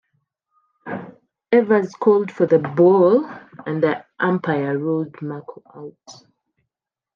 Evers called for the ball, and the umpire ruled Merkle out.